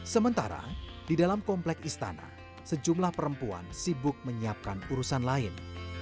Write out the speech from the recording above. sementara di dalam komplek istana sejumlah perempuan sibuk menyiapkan urusan lain